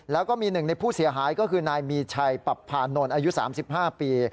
แล้วก็มีหนึ่งในผู้เสียหายก็คือนายมีชัยปับพานนท์อายุ๓๕ปี